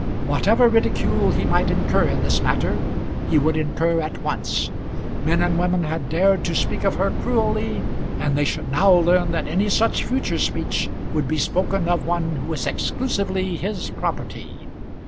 Whatever ridicule he might incur in this matter, he would incur at once. Men and women had dared to speak of her cruelly, and they should now learn that any such future speech would be spoken of one who was exclusively his property.